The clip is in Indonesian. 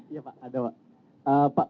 iya pak ada pak